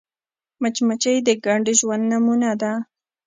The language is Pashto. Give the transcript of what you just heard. مچمچۍ د ګډ ژوند نمونه ده